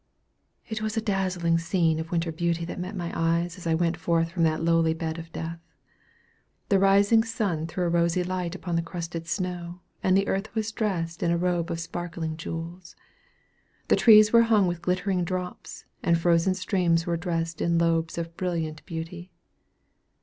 It was a dazzling scene of winter beauty that met my eye as I went forth from that lowly bed of death. The rising sun threw a rosy light upon the crusted snow, and the earth was dressed in a robe of sparkling jewels. The trees were hung with glittering drops, and the frozen streams were dressed in lobes of brilliant beauty.